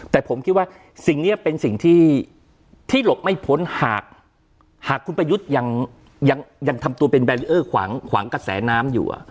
แต่ผมคิดว่าสิ่งนี้เป็นสิ่งที่หลบไม่พ้นหากคุณประยุทธ์ยังทำตัวเป็นแบรีเออร์ขวางกระแสน้ำอยู่